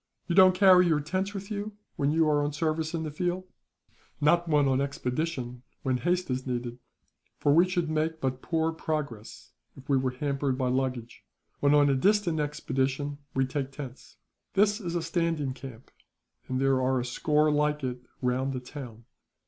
"You don't carry your tents with you, when you are on service in the field?" "Not when on an expedition where haste is needed; for we should make but poor progress, if we were hampered by luggage. When on a distant expedition, we take tents. "This is a standing camp, and there are a score like it round the town.